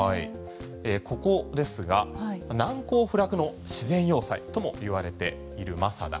ここですが難攻不落の自然要塞ともいわれているマサダ。